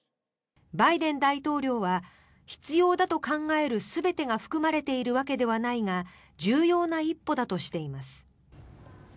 バイデン大統領は必要だと考える全てが含まれているわけではないが重要な一歩だとしています。